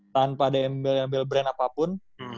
tanpa ada embel embel brand apapun